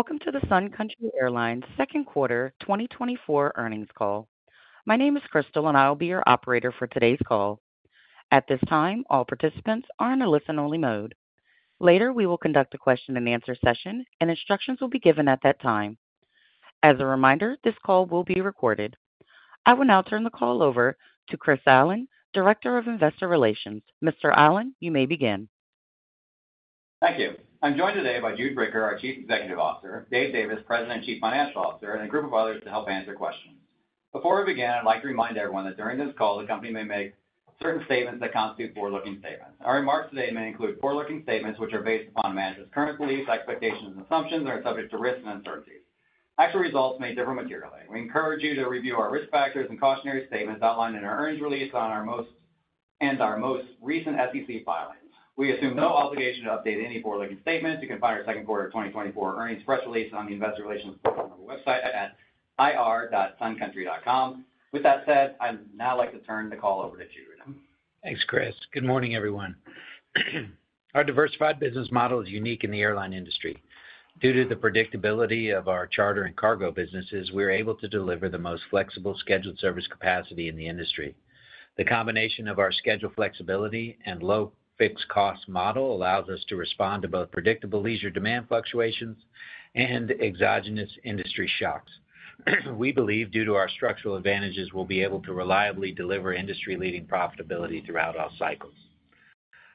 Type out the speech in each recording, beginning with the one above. Welcome to the Sun Country Airlines second quarter 2024 earnings call. My name is Crystal, and I'll be your operator for today's call. At this time, all participants are in a listen-only mode. Later, we will conduct a question-and-answer session, and instructions will be given at that time. As a reminder, this call will be recorded. I will now turn the call over to Chris Allen, Director of Investor Relations. Mr. Allen, you may begin. Thank you. I'm joined today by Jude Bricker, our Chief Executive Officer, Dave Davis, President and Chief Financial Officer, and a group of others to help answer questions. Before we begin, I'd like to remind everyone that during this call, the company may make certain statements that constitute forward-looking statements. Our remarks today may include forward-looking statements, which are based upon a management's current beliefs, expectations, and assumptions, and are subject to risks and uncertainties. Actual results may differ materially. We encourage you to review our risk factors and cautionary statements outlined in our earnings release and our most recent SEC filings. We assume no obligation to update any forward-looking statements. You can find our second quarter 2024 earnings press release on the Investor Relations portal on our website at ir.suncountry.com. With that said, I'd now like to turn the call over to Jude. Thanks, Chris. Good morning, everyone. Our diversified business model is unique in the airline industry. Due to the predictability of our charter and cargo businesses, we are able to deliver the most flexible scheduled service capacity in the industry. The combination of our scheduled flexibility and low fixed cost model allows us to respond to both predictable leisure demand fluctuations and exogenous industry shocks. We believe, due to our structural advantages, we'll be able to reliably deliver industry-leading profitability throughout all cycles.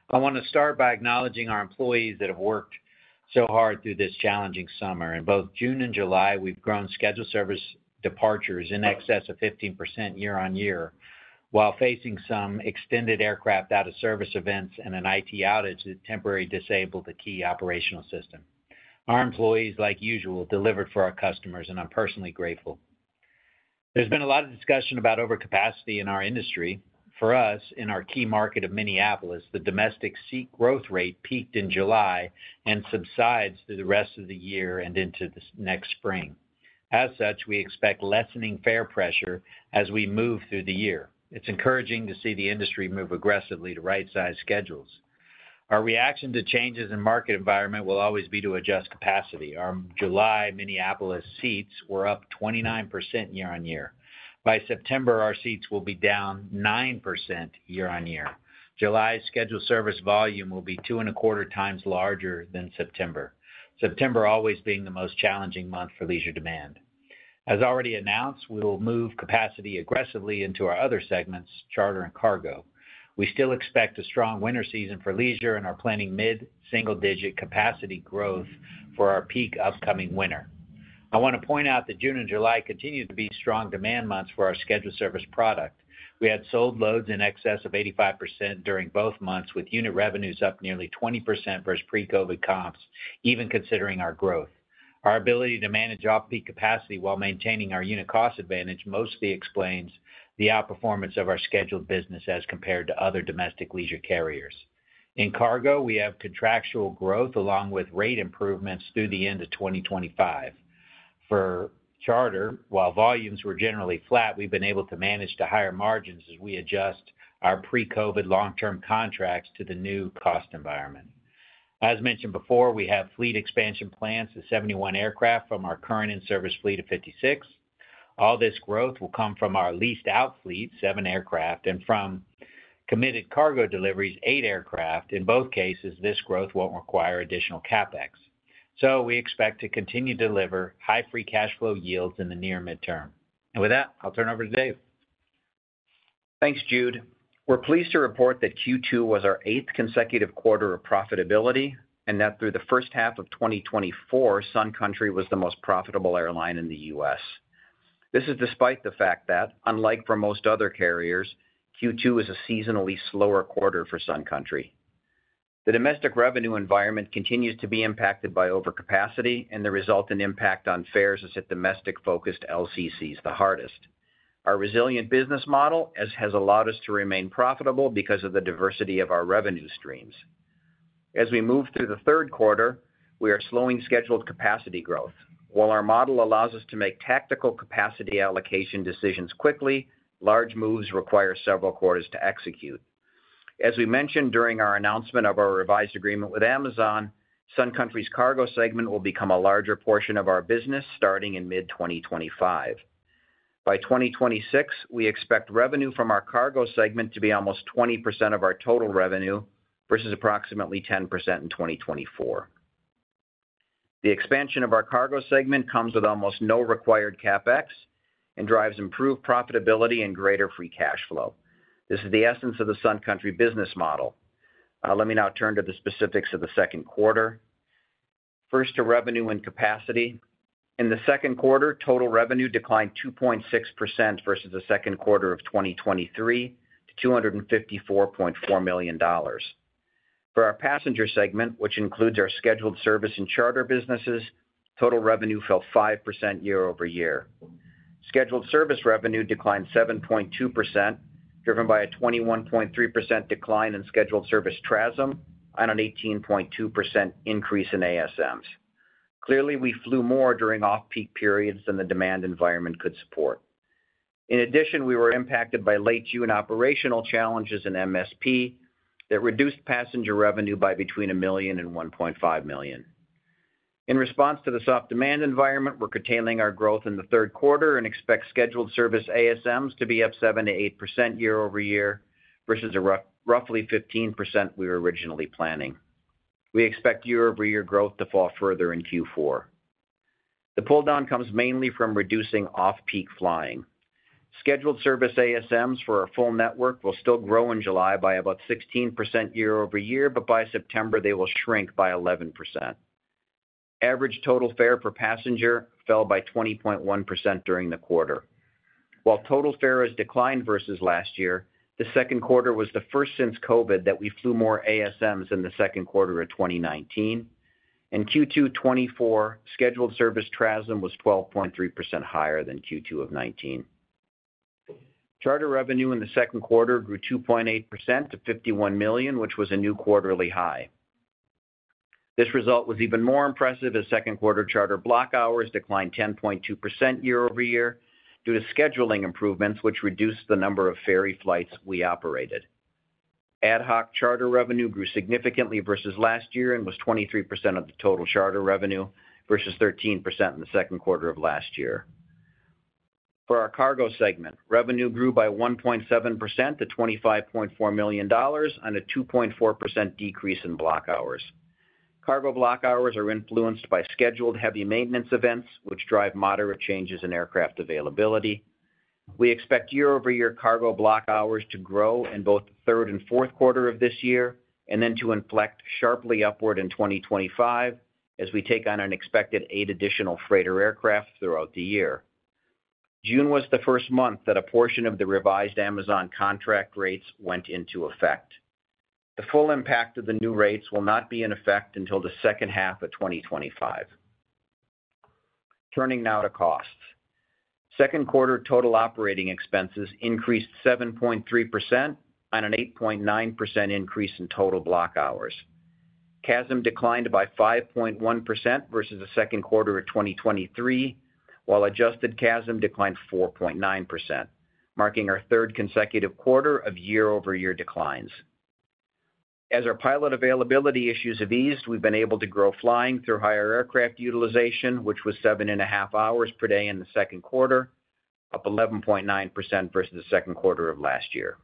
I want to start by acknowledging our employees that have worked so hard through this challenging summer. In both June and July, we've grown scheduled service departures in excess of 15% year-on-year, while facing some extended aircraft out-of-service events and an IT outage that temporarily disabled the key operational system. Our employees, like usual, delivered for our customers, and I'm personally grateful. There's been a lot of discussion about overcapacity in our industry. For us, in our key market of Minneapolis, the domestic seat growth rate peaked in July and subsides through the rest of the year and into this next spring. As such, we expect lessening fare pressure as we move through the year. It's encouraging to see the industry move aggressively to right-sized schedules. Our reaction to changes in market environment will always be to adjust capacity. Our July Minneapolis seats were up 29% year-on-year. By September, our seats will be down 9% year-on-year. July's scheduled service volume will be 2.25 times larger than September, September always being the most challenging month for leisure demand. As already announced, we will move capacity aggressively into our other segments, charter and cargo. We still expect a strong winter season for leisure and are planning mid-single-digit capacity growth for our peak upcoming winter. I want to point out that June and July continue to be strong demand months for our scheduled service product. We had sold loads in excess of 85% during both months, with unit revenues up nearly 20% versus pre-COVID comps, even considering our growth. Our ability to manage off-peak capacity while maintaining our unit cost advantage mostly explains the outperformance of our scheduled business as compared to other domestic leisure carriers. In cargo, we have contractual growth along with rate improvements through the end of 2025. For charter, while volumes were generally flat, we've been able to manage to higher margins as we adjust our pre-COVID long-term contracts to the new cost environment. As mentioned before, we have fleet expansion plans to 71 aircraft from our current in-service fleet of 56. All this growth will come from our leased-out fleet, 7 aircraft, and from committed cargo deliveries, 8 aircraft. In both cases, this growth won't require additional CapEx. So we expect to continue to deliver high free cash flow yields in the near-mid term. With that, I'll turn it over to Dave. Thanks, Jude. We're pleased to report that Q2 was our eighth consecutive quarter of profitability and that through the first half of 2024, Sun Country was the most profitable airline in the U.S. This is despite the fact that, unlike for most other carriers, Q2 is a seasonally slower quarter for Sun Country. The domestic revenue environment continues to be impacted by overcapacity, and the resultant impact on fares has hit domestic-focused LCCs the hardest. Our resilient business model has allowed us to remain profitable because of the diversity of our revenue streams. As we move through the third quarter, we are slowing scheduled capacity growth. While our model allows us to make tactical capacity allocation decisions quickly, large moves require several quarters to execute. As we mentioned during our announcement of our revised agreement with Amazon, Sun Country's cargo segment will become a larger portion of our business starting in mid-2025. By 2026, we expect revenue from our cargo segment to be almost 20% of our total revenue versus approximately 10% in 2024. The expansion of our cargo segment comes with almost no required CapEx and drives improved profitability and greater free cash flow. This is the essence of the Sun Country business model. Let me now turn to the specifics of the second quarter. First, to revenue and capacity. In the second quarter, total revenue declined 2.6% versus the second quarter of 2023 to $254.4 million. For our passenger segment, which includes our scheduled service and charter businesses, total revenue fell 5% year-over-year. Scheduled service revenue declined 7.2%, driven by a 21.3% decline in scheduled service TRASM and an 18.2% increase in ASMs. Clearly, we flew more during off-peak periods than the demand environment could support. In addition, we were impacted by late June and operational challenges in MSP that reduced passenger revenue by between $1 million and $1.5 million. In response to the soft demand environment, we're curtailing our growth in the third quarter and expect scheduled service ASMs to be up 7%-8% year-over-year versus roughly 15% we were originally planning. We expect year-over-year growth to fall further in Q4. The pull-down comes mainly from reducing off-peak flying. Scheduled service ASMs for our full network will still grow in July by about 16% year-over-year, but by September, they will shrink by 11%. Average total fare per passenger fell by 20.1% during the quarter. While total fare has declined versus last year, the second quarter was the first since COVID that we flew more ASMs in the second quarter of 2019. In Q2 2024, scheduled service TRASM was 12.3% higher than Q2 of 2019. Charter revenue in the second quarter grew 2.8% to $51 million, which was a new quarterly high. This result was even more impressive as second quarter charter block hours declined 10.2% year-over-year due to scheduling improvements, which reduced the number of ferry flights we operated. Ad hoc charter revenue grew significantly versus last year and was 23% of the total charter revenue versus 13% in the second quarter of last year. For our cargo segment, revenue grew by 1.7% to $25.4 million and a 2.4% decrease in block hours. Cargo block hours are influenced by scheduled heavy maintenance events, which drive moderate changes in aircraft availability. We expect year-over-year cargo block hours to grow in both the third and fourth quarter of this year and then to inflect sharply upward in 2025 as we take on an expected 8 additional freighter aircraft throughout the year. June was the first month that a portion of the revised Amazon contract rates went into effect. The full impact of the new rates will not be in effect until the second half of 2025. Turning now to costs. Second quarter total operating expenses increased 7.3% and an 8.9% increase in total block hours. CASM declined by 5.1% versus the second quarter of 2023, while adjusted CASM declined 4.9%, marking our third consecutive quarter of year-over-year declines. As our pilot availability issues have eased, we've been able to grow flying through higher aircraft utilization, which was 7.5 hours per day in the second quarter, up 11.9% versus the second quarter of last year.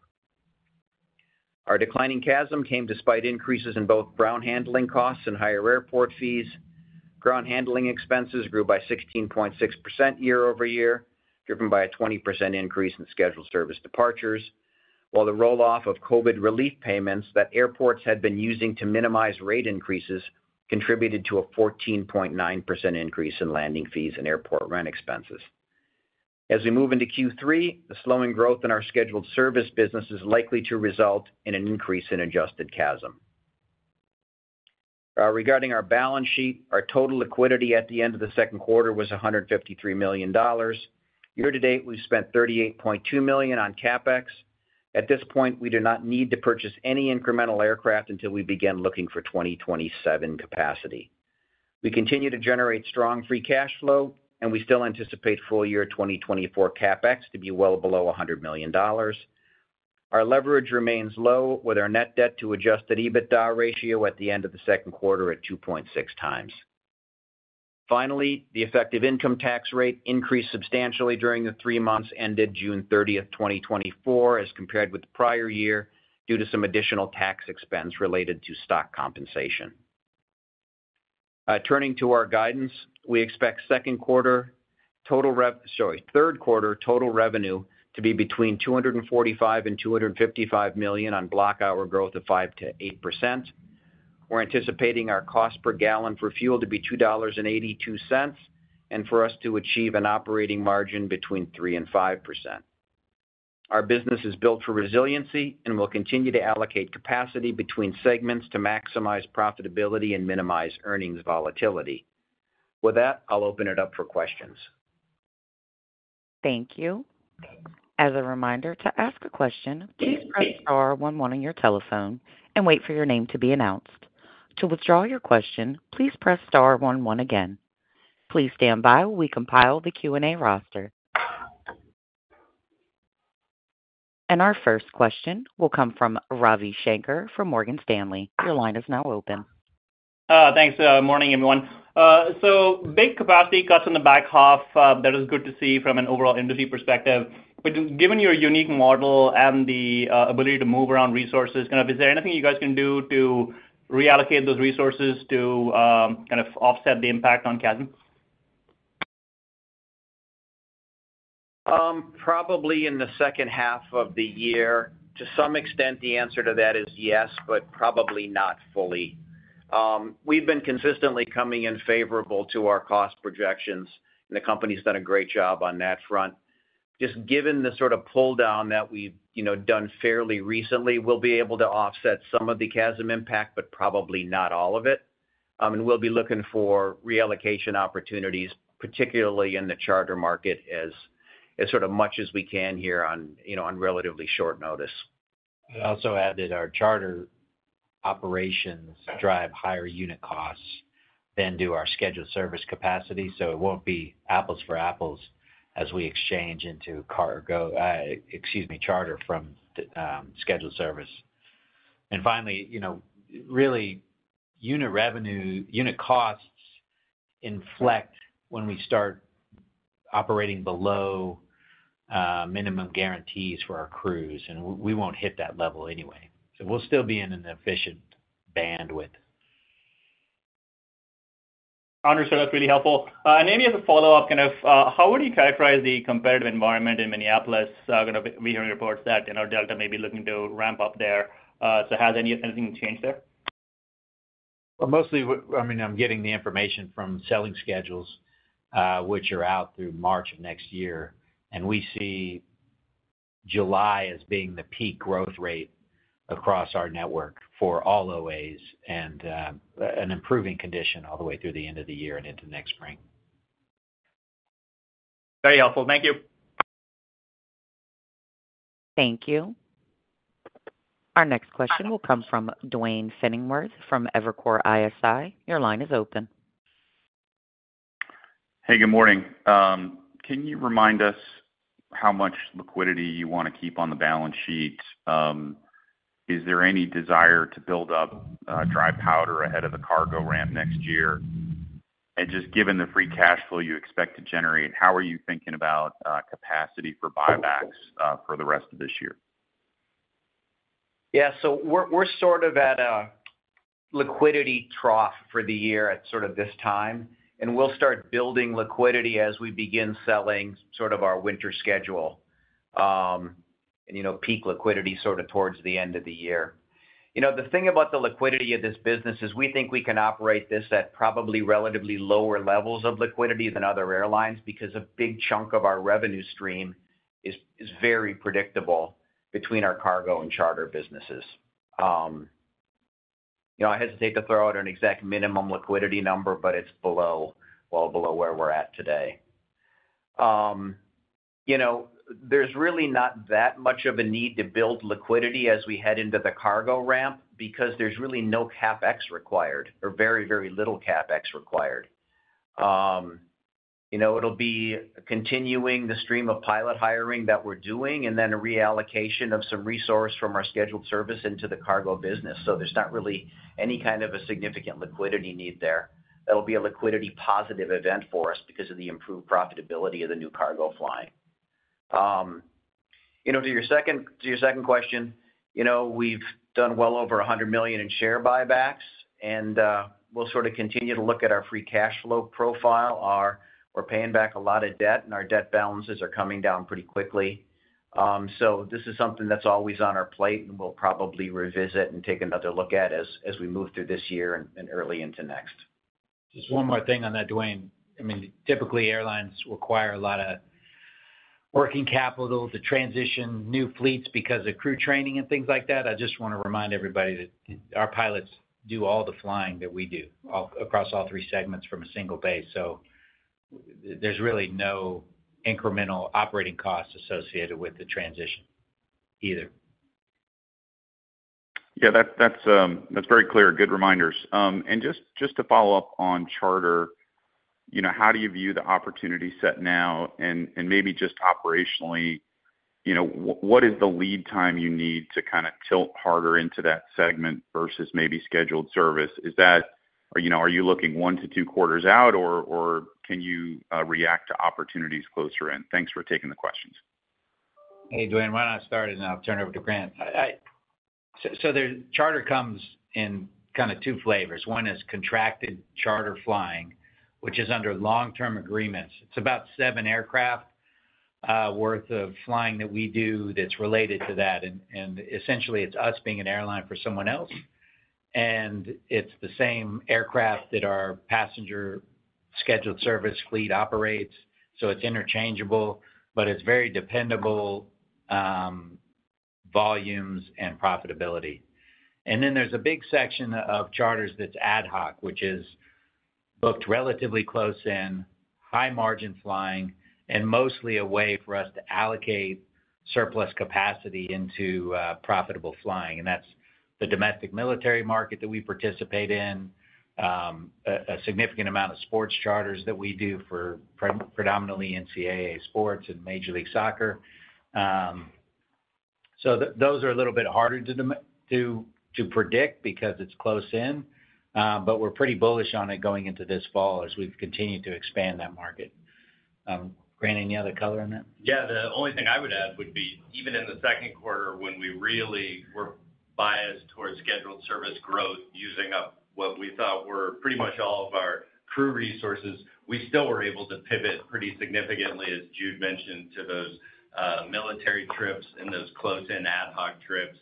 Our declining CASM came despite increases in both ground handling costs and higher airport fees. Ground handling expenses grew by 16.6% year-over-year, driven by a 20% increase in scheduled service departures, while the roll-off of COVID relief payments that airports had been using to minimize rate increases contributed to a 14.9% increase in landing fees and airport rent expenses. As we move into Q3, the slowing growth in our scheduled service business is likely to result in an increase in adjusted CASM. Regarding our balance sheet, our total liquidity at the end of the second quarter was $153 million. Year-to-date, we've spent $38.2 million on CapEx. At this point, we do not need to purchase any incremental aircraft until we begin looking for 2027 capacity. We continue to generate strong Free Cash Flow, and we still anticipate full year 2024 CapEx to be well below $100 million. Our leverage remains low, with our net debt to Adjusted EBITDA ratio at the end of the second quarter at 2.6 times. Finally, the effective income tax rate increased substantially during the three months ended June 30, 2024, as compared with the prior year due to some additional tax expense related to stock compensation. Turning to our guidance, we expect third quarter total revenue to be between $245 million-$255 million on block hour growth of 5%-8%. We're anticipating our cost per gallon for fuel to be $2.82 and for us to achieve an operating margin between 3%-5%. Our business is built for resiliency and will continue to allocate capacity between segments to maximize profitability and minimize earnings volatility. With that, I'll open it up for questions. Thank you. As a reminder, to ask a question, please press star 11 on your telephone and wait for your name to be announced. To withdraw your question, please press star 11 again. Please stand by while we compile the Q&A roster. Our first question will come from Ravi Shankar from Morgan Stanley. Your line is now open. Thanks. Good morning, everyone. So big capacity cuts on the back half, that is good to see from an overall industry perspective. But given your unique model and the ability to move around resources, is there anything you guys can do to reallocate those resources to kind of offset the impact on CASM? Probably in the second half of the year. To some extent, the answer to that is yes, but probably not fully. We've been consistently coming in favorable to our cost projections, and the company's done a great job on that front. Just given the sort of pull-down that we've done fairly recently, we'll be able to offset some of the CASM impact, but probably not all of it. We'll be looking for reallocation opportunities, particularly in the charter market, as much as we can here on relatively short notice. I'd also add that our charter operations drive higher unit costs than do our scheduled service capacity, so it won't be apples for apples as we exchange into charter from scheduled service. Finally, really, unit costs inflect when we start operating below minimum guarantees for our crews, and we won't hit that level anyway. We'll still be in an efficient bandwidth. Understood. That's really helpful. And maybe as a follow-up, kind of how would you characterize the competitive environment in Minneapolis? We hear reports that Delta may be looking to ramp up there. So has anything changed there? Well, mostly, I mean, I'm getting the information from selling schedules, which are out through March of next year, and we see July as being the peak growth rate across our network for all OAs and an improving condition all the way through the end of the year and into next spring. Very helpful. Thank you. Thank you. Our next question will come from Duane Pfennigwerth from Evercore ISI. Your line is open. Hey, good morning. Can you remind us how much liquidity you want to keep on the balance sheet? Is there any desire to build up dry powder ahead of the cargo ramp next year? And just given the free cash flow you expect to generate, how are you thinking about capacity for buybacks for the rest of this year? Yeah. So we're sort of at a liquidity trough for the year at sort of this time, and we'll start building liquidity as we begin selling sort of our winter schedule and peak liquidity sort of towards the end of the year. The thing about the liquidity of this business is we think we can operate this at probably relatively lower levels of liquidity than other airlines because a big chunk of our revenue stream is very predictable between our cargo and charter businesses. I hesitate to throw out an exact minimum liquidity number, but it's well below where we're at today. There's really not that much of a need to build liquidity as we head into the cargo ramp because there's really no CapEx required or very, very little CapEx required. It'll be continuing the stream of pilot hiring that we're doing and then a reallocation of some resource from our scheduled service into the cargo business. So there's not really any kind of a significant liquidity need there. That'll be a liquidity-positive event for us because of the improved profitability of the new cargo flying. To your second question, we've done well over $100 million in share buybacks, and we'll sort of continue to look at our free cash flow profile. We're paying back a lot of debt, and our debt balances are coming down pretty quickly. So this is something that's always on our plate, and we'll probably revisit and take another look at as we move through this year and early into next. Just one more thing on that, Duane. I mean, typically, airlines require a lot of working capital to transition new fleets because of crew training and things like that. I just want to remind everybody that our pilots do all the flying that we do across all three segments from a single day. So there's really no incremental operating costs associated with the transition either. Yeah, that's very clear. Good reminders. And just to follow up on charter, how do you view the opportunity set now? And maybe just operationally, what is the lead time you need to kind of tilt harder into that segment versus maybe scheduled service? Are you looking one to two quarters out, or can you react to opportunities closer in? Thanks for taking the questions. Hey, Duane, why don't I start, and I'll turn it over to Grant. So charter comes in kind of two flavors. One is contracted charter flying, which is under long-term agreements. It's about seven aircraft worth of flying that we do that's related to that. And essentially, it's us being an airline for someone else, and it's the same aircraft that our passenger scheduled service fleet operates. So it's interchangeable, but it's very dependable volumes and profitability. And then there's a big section of charters that's ad hoc, which is booked relatively close in, high-margin flying, and mostly a way for us to allocate surplus capacity into profitable flying. And that's the domestic military market that we participate in, a significant amount of sports charters that we do for predominantly NCAA sports and Major League Soccer. So those are a little bit harder to predict because it's close in, but we're pretty bullish on it going into this fall as we've continued to expand that market. Grant, any other color on that? Yeah. The only thing I would add would be even in the second quarter, when we really were biased towards scheduled service growth using up what we thought were pretty much all of our crew resources, we still were able to pivot pretty significantly, as Jude mentioned, to those military trips and those close-in ad hoc trips.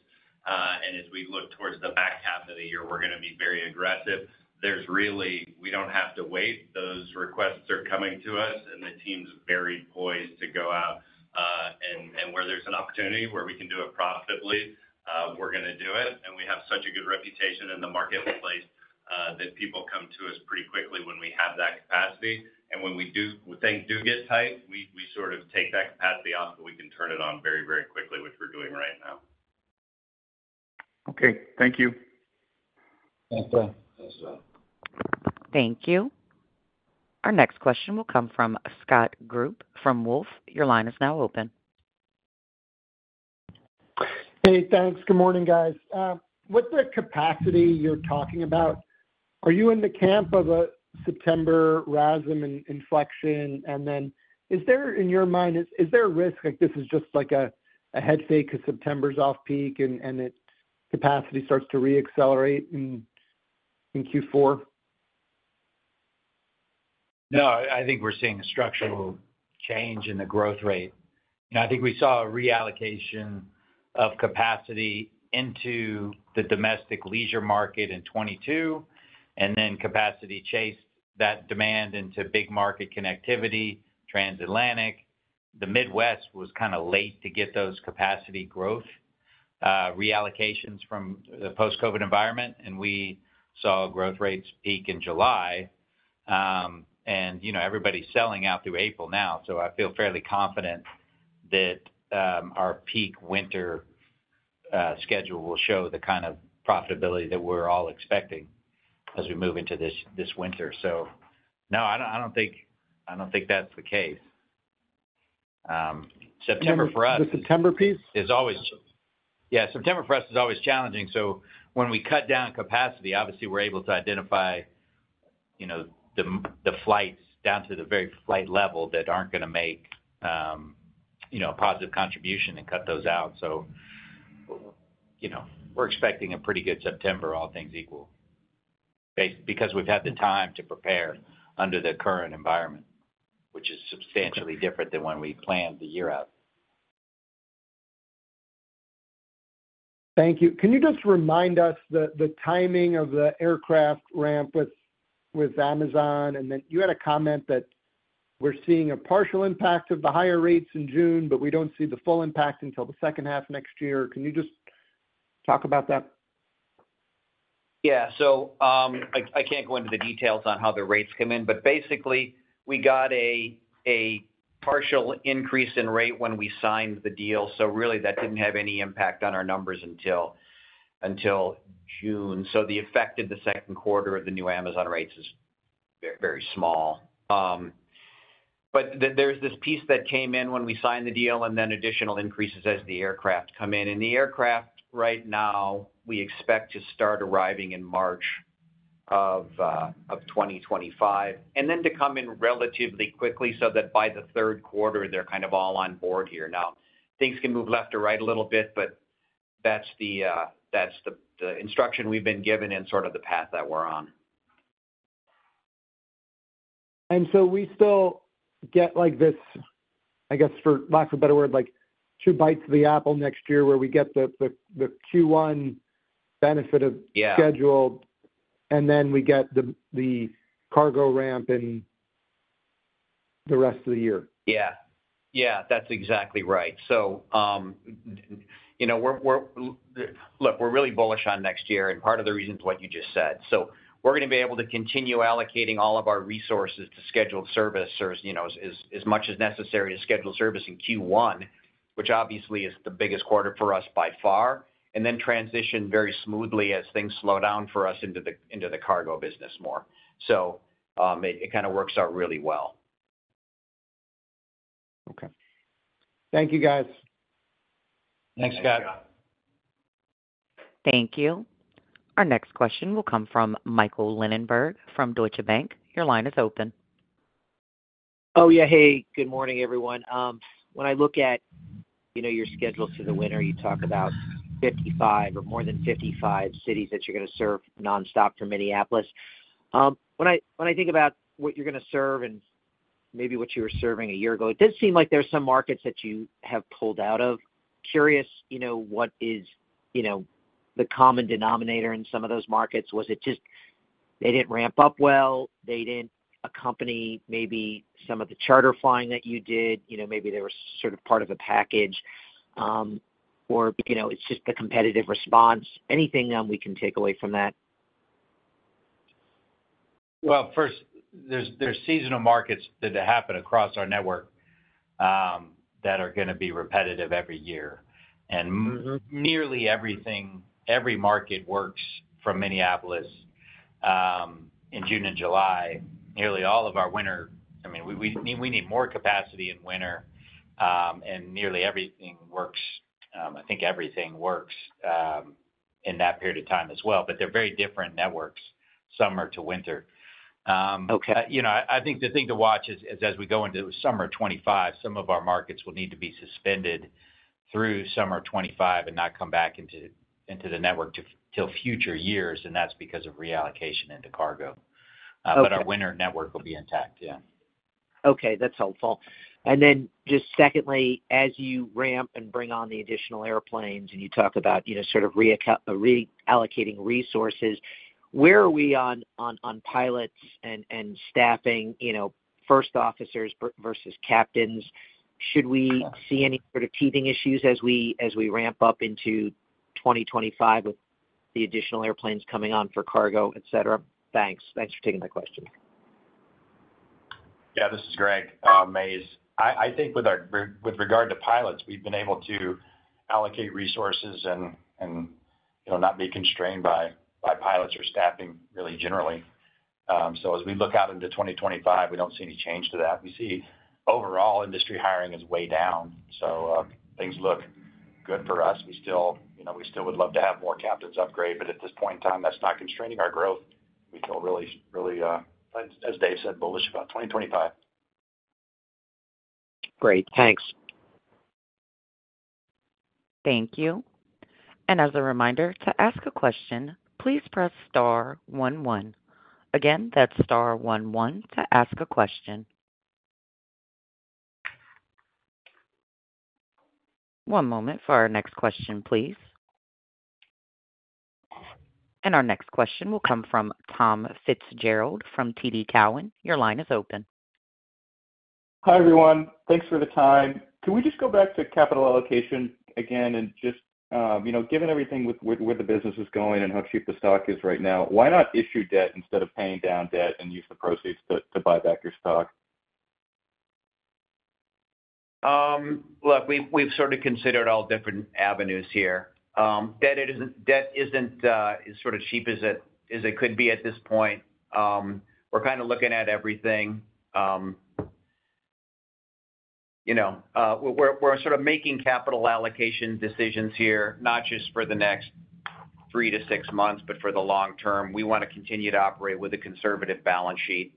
And as we look towards the back half of the year, we're going to be very aggressive. We don't have to wait. Those requests are coming to us, and the team's very poised to go out. And where there's an opportunity where we can do it profitably, we're going to do it. And we have such a good reputation in the marketplace that people come to us pretty quickly when we have that capacity. When things do get tight, we sort of take that capacity off, but we can turn it on very, very quickly, which we're doing right now. Okay. Thank you. Thank you. Our next question will come from Scott Group from Wolfe. Your line is now open. Hey, thanks. Good morning, guys. With the capacity you're talking about, are you in the camp of a September rhythm and inflection? And then is there, in your mind, is there a risk like this is just like a head fake because September's off-peak and its capacity starts to re-accelerate in Q4? No, I think we're seeing a structural change in the growth rate. I think we saw a reallocation of capacity into the domestic leisure market in 2022, and then capacity chased that demand into big market connectivity, transatlantic. The Midwest was kind of late to get those capacity growth reallocations from the post-COVID environment, and we saw growth rates peak in July. And everybody's selling out through April now, so I feel fairly confident that our peak winter schedule will show the kind of profitability that we're all expecting as we move into this winter. So no, I don't think that's the case. September for us. Yeah. The September piece? Yeah. September for us is always challenging. So when we cut down capacity, obviously, we're able to identify the flights down to the very flight level that aren't going to make a positive contribution and cut those out. So we're expecting a pretty good September, all things equal, because we've had the time to prepare under the current environment, which is substantially different than when we planned the year out. Thank you. Can you just remind us the timing of the aircraft ramp with Amazon? And then you had a comment that we're seeing a partial impact of the higher rates in June, but we don't see the full impact until the second half next year. Can you just talk about that? Yeah. So I can't go into the details on how the rates came in, but basically, we got a partial increase in rate when we signed the deal. So really, that didn't have any impact on our numbers until June. So the effect of the second quarter of the new Amazon rates is very small. But there's this piece that came in when we signed the deal and then additional increases as the aircraft come in. And the aircraft right now, we expect to start arriving in March of 2025 and then to come in relatively quickly so that by the third quarter, they're kind of all on board here. Now, things can move left or right a little bit, but that's the instruction we've been given and sort of the path that we're on. We still get this, I guess, for lack of a better word, two bites of the apple next year where we get the Q1 benefit of schedule, and then we get the cargo ramp in the rest of the year. Yeah. Yeah. That's exactly right. So look, we're really bullish on next year, and part of the reason is what you just said. So we're going to be able to continue allocating all of our resources to scheduled service as much as necessary to scheduled service in Q1, which obviously is the biggest quarter for us by far, and then transition very smoothly as things slow down for us into the cargo business more. So it kind of works out really well. Okay. Thank you, guys. Thanks, Scott. Thank you. Our next question will come from Michael Linenberg from Deutsche Bank. Your line is open. Oh, yeah. Hey, good morning, everyone. When I look at your schedule for the winter, you talk about 55 or more than 55 cities that you're going to serve nonstop for Minneapolis. When I think about what you're going to serve and maybe what you were serving a year ago, it did seem like there are some markets that you have pulled out of. Curious what is the common denominator in some of those markets? Was it just they didn't ramp up well? A company, maybe some of the charter flying that you did, maybe they were sort of part of a package, or it's just the competitive response? Anything we can take away from that? Well, first, there's seasonal markets that happen across our network that are going to be repetitive every year. And nearly everything, every market works for Minneapolis in June and July. Nearly all of our winter, I mean, we need more capacity in winter, and nearly everything works. I think everything works in that period of time as well. But they're very different networks, summer to winter. I think the thing to watch is as we go into summer 2025, some of our markets will need to be suspended through summer 2025 and not come back into the network till future years, and that's because of reallocation into cargo. But our winter network will be intact. Yeah. Okay. That's helpful. And then just secondly, as you ramp and bring on the additional airplanes and you talk about sort of reallocating resources, where are we on pilots and staffing, first officers versus captains? Should we see any sort of teething issues as we ramp up into 2025 with the additional airplanes coming on for cargo, etc.? Thanks. Thanks for taking my question. Yeah. This is Greg Mays. I think with regard to pilots, we've been able to allocate resources and not be constrained by pilots or staffing really generally. So as we look out into 2025, we don't see any change to that. We see overall industry hiring is way down. So things look good for us. We still would love to have more captains upgrade, but at this point in time, that's not constraining our growth. We feel really, as Dave said, bullish about 2025. Great. Thanks. Thank you. And as a reminder, to ask a question, please press star 11. Again, that's star 11 to ask a question. One moment for our next question, please. And our next question will come from Tom Fitzgerald from TD Cowen. Your line is open. Hi, everyone. Thanks for the time. Can we just go back to capital allocation again and just given everything with where the business is going and how cheap the stock is right now, why not issue debt instead of paying down debt and use the proceeds to buy back your stock? Look, we've sort of considered all different avenues here. Debt isn't as sort of cheap as it could be at this point. We're kind of looking at everything. We're sort of making capital allocation decisions here, not just for the next 3-6 months, but for the long term. We want to continue to operate with a conservative balance sheet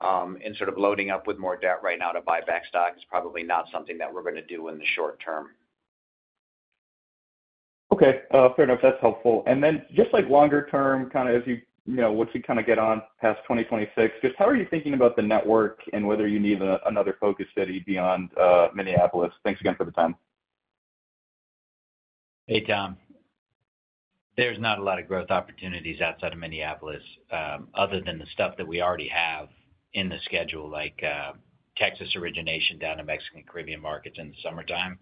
and sort of loading up with more debt right now to buy back stock is probably not something that we're going to do in the short term. Okay. Fair enough. That's helpful. And then just like longer term, kind of as you, once you kind of get on past 2026, just how are you thinking about the network and whether you need another focus city beyond Minneapolis? Thanks again for the time. Hey, Tom. There's not a lot of growth opportunities outside of Minneapolis other than the stuff that we already have in the schedule, like Texas origination down to Mexican Caribbean markets in the summertime.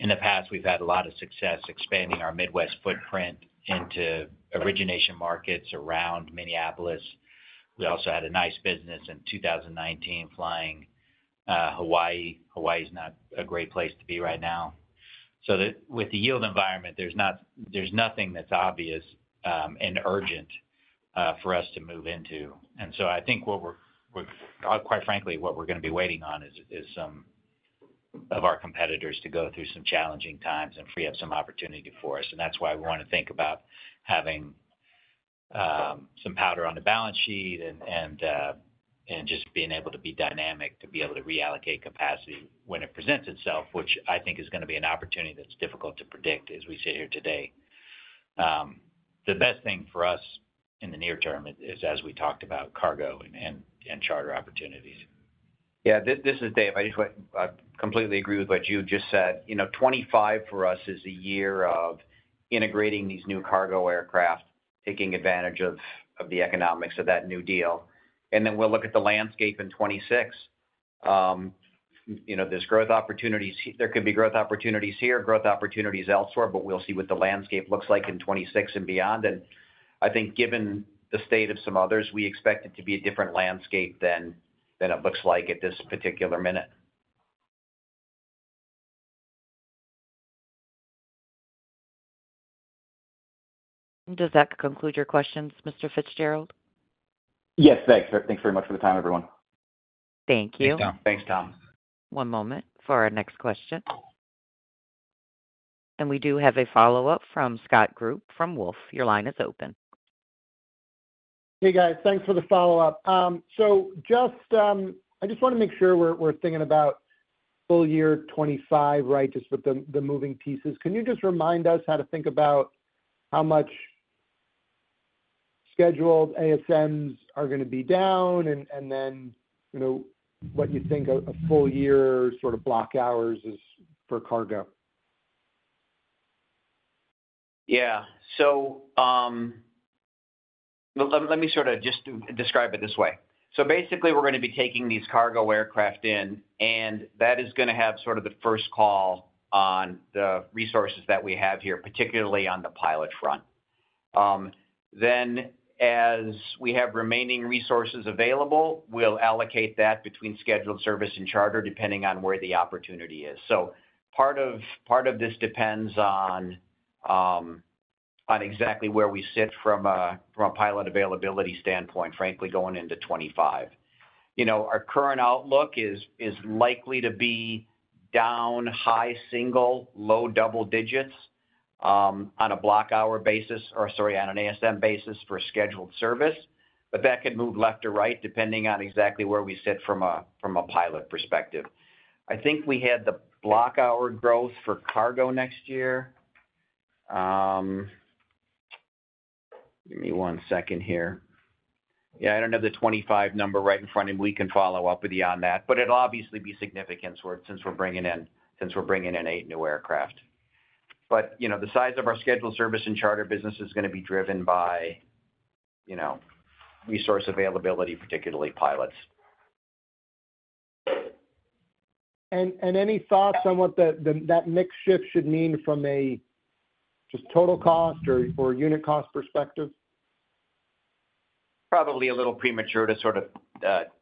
In the past, we've had a lot of success expanding our Midwest footprint into origination markets around Minneapolis. We also had a nice business in 2019 flying Hawaii. Hawaii is not a great place to be right now. So with the yield environment, there's nothing that's obvious and urgent for us to move into. And so I think, quite frankly, what we're going to be waiting on is some of our competitors to go through some challenging times and free up some opportunity for us. And that's why we want to think about having some powder on the balance sheet and just being able to be dynamic to be able to reallocate capacity when it presents itself, which I think is going to be an opportunity that's difficult to predict as we sit here today. The best thing for us in the near term is, as we talked about, cargo and charter opportunities. Yeah. This is Dave. I completely agree with what Jude just said. 2025 for us is a year of integrating these new cargo aircraft, taking advantage of the economics of that new deal. And then we'll look at the landscape in 2026. There's growth opportunities. There could be growth opportunities here, growth opportunities elsewhere, but we'll see what the landscape looks like in 2026 and beyond. I think given the state of some others, we expect it to be a different landscape than it looks like at this particular minute. Does that conclude your questions, Mr. Fitzgerald? Yes. Thanks. Thanks very much for the time, everyone. Thank you. Thanks, Tom. One moment for our next question. We do have a follow-up from Scott Group from Wolfe. Your line is open. Hey, guys. Thanks for the follow-up. So I just want to make sure we're thinking about full year 2025, right, just with the moving pieces. Can you just remind us how to think about how much scheduled ASMs are going to be down and then what you think a full year sort of block hours is for cargo? Yeah. So let me sort of just describe it this way. So basically, we're going to be taking these cargo aircraft in, and that is going to have sort of the first call on the resources that we have here, particularly on the pilot front. Then as we have remaining resources available, we'll allocate that between scheduled service and charter depending on where the opportunity is. So part of this depends on exactly where we sit from a pilot availability standpoint, frankly, going into 2025. Our current outlook is likely to be down high single, low double digits on a block hour basis or, sorry, on an ASM basis for scheduled service, but that could move left or right depending on exactly where we sit from a pilot perspective. I think we had the block hour growth for cargo next year. Give me one second here. Yeah. I don't have the 2025 number right in front of me. We can follow up with you on that. But it'll obviously be significant since we're bringing in eight new aircraft. But the size of our scheduled service and charter business is going to be driven by resource availability, particularly pilots. Any thoughts on what that mixed shift should mean from a just total cost or unit cost perspective? Probably a little premature to sort of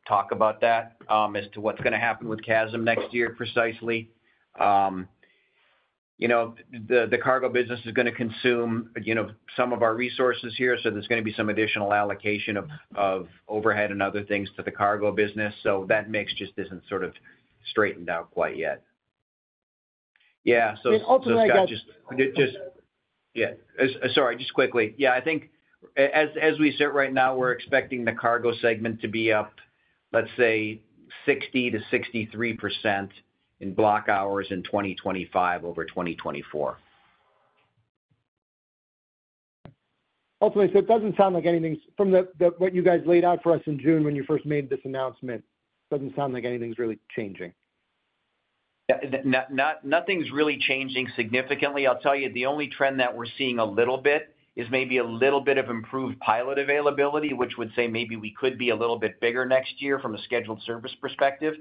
talk about that as to what's going to happen with CASM next year precisely. The cargo business is going to consume some of our resources here, so there's going to be some additional allocation of overhead and other things to the cargo business. So that mix just isn't sort of straightened out quite yet. Yeah. So it's just got to. Ultimately, I guess. I think as we sit right now, we're expecting the cargo segment to be up, let's say, 60%-63% in block hours in 2025 over 2024. Okay. Ultimately, so it doesn't sound like anything's changed from what you guys laid out for us in June when you first made this announcement, it doesn't sound like anything's really changing. Nothing's really changing significantly. I'll tell you, the only trend that we're seeing a little bit is maybe a little bit of improved pilot availability, which would say maybe we could be a little bit bigger next year from a scheduled service perspective.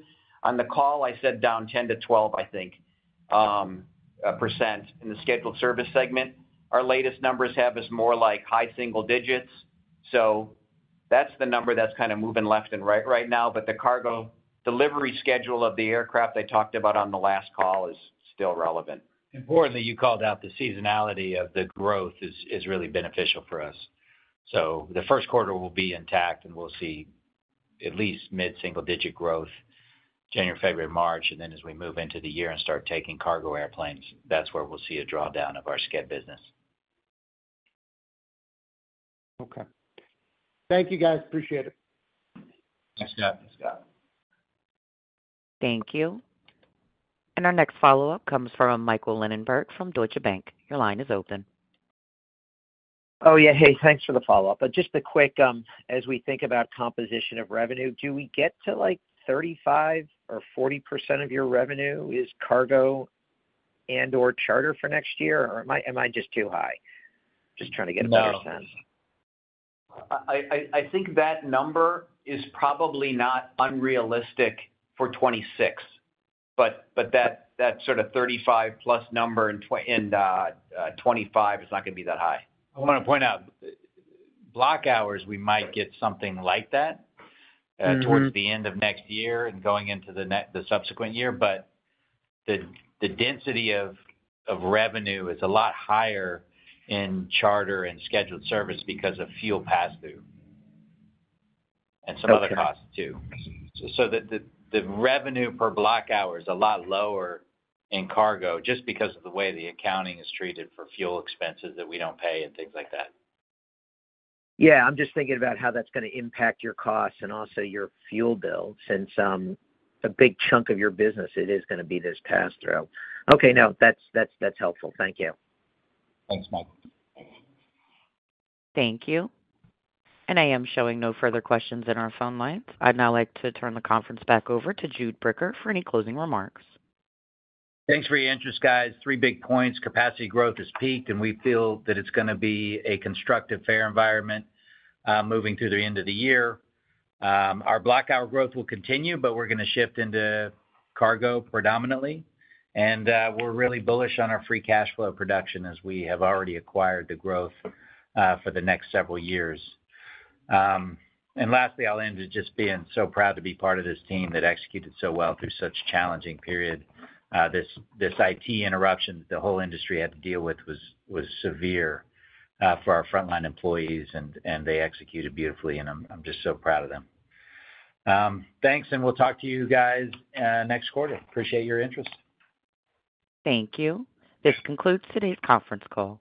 On the call, I said down 10%-12%, I think, in the scheduled service segment. Our latest numbers have us more like high single digits. So that's the number that's kind of moving left and right right now. But the cargo delivery schedule of the aircraft I talked about on the last call is still relevant. Importantly, you called out the seasonality of the growth is really beneficial for us. So the first quarter will be intact, and we'll see at least mid-single-digit growth, January, February, March. And then as we move into the year and start taking cargo airplanes, that's where we'll see a drawdown of our sched business. Okay. Thank you, guys. Appreciate it. Thanks, Scott. Thank you. Our next follow-up comes from Michael Linenberg from Deutsche Bank. Your line is open. Oh, yeah. Hey, thanks for the follow-up. But just a quick, as we think about composition of revenue, do we get to like 35% or 40% of your revenue is cargo and/or charter for next year, or am I just too high? Just trying to get a better sense. No. I think that number is probably not unrealistic for 2026, but that sort of 35+ number in 2025 is not going to be that high. I want to point out, block hours, we might get something like that towards the end of next year and going into the subsequent year. But the density of revenue is a lot higher in charter and scheduled service because of fuel pass-through and some other costs too. So the revenue per block hour is a lot lower in cargo just because of the way the accounting is treated for fuel expenses that we don't pay and things like that. Yeah. I'm just thinking about how that's going to impact your costs and also your fuel bill since a big chunk of your business, it is going to be this pass-through. Okay. No, that's helpful. Thank you. Thanks, Michael. Thank you. I am showing no further questions in our phone lines. I'd now like to turn the conference back over to Jude Bricker for any closing remarks. Thanks for your interest, guys. Three big points. Capacity growth is peaked, and we feel that it's going to be a constructive, fare environment moving through the end of the year. Our block hour growth will continue, but we're going to shift into cargo predominantly. And we're really bullish on our free cash flow production as we have already acquired the growth for the next several years. And lastly, I'll end with just being so proud to be part of this team that executed so well through such a challenging period. This IT interruption that the whole industry had to deal with was severe for our frontline employees, and they executed beautifully, and I'm just so proud of them. Thanks, and we'll talk to you guys next quarter. Appreciate your interest. Thank you. This concludes today's conference call.